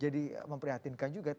jadi memprihatinkan juga